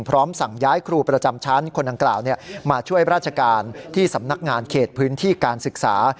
พร้อมสั่งย้ายครูประจำชั้นคนดังกล่าวมาช่วยราชการที่สำนักงานเขตพื้นที่การศึกษา